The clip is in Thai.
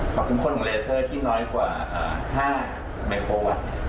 ความคุ้มข้นของเลเซอร์ที่น้อยกว่า๕ไมโครวัตต์